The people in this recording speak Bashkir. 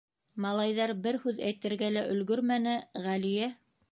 Малайҙар бер һүҙ әйтергә лә өлгөрмәне, Ғәлиә: